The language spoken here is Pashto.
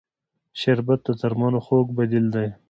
شربت د درملو خوږ بدیل دی